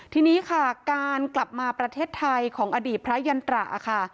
ทีนี้ค่ะการกลับมาประเทศไทยของอดีตพระยันตราค่ะ